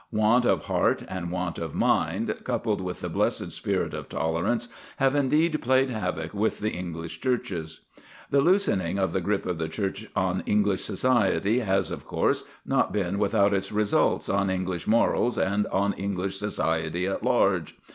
Want of heart and want of mind, coupled with the blessed spirit of tolerance, have indeed played havoc with the English Churches. The loosening of the grip of the Church on English society has, of course, not been without its results on English morals and on English society at large.